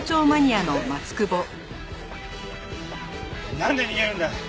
なんで逃げるんだ！？